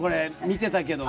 見てたけど。